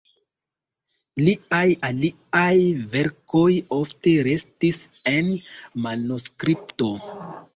Liaj aliaj verkoj ofte restis en manuskripto.